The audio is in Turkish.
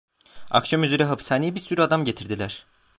Akşamüzeri hapishaneye bir sürü adam getirdiler.